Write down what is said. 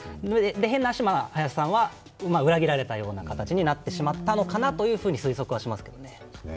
変な話、林さんは裏切られたような形になってしまったのかなというふうに推測はしますけどね。